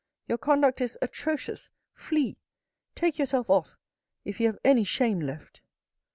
Your conduct is atrocious. Flee ! Take yourself off if you have any shame left."